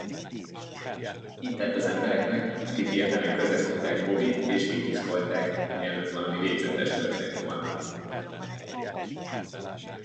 Intett az embereknek, akik hirtelen közrefogták Bobbyt és kituszkolták, mielőtt valami végzetes történt volna.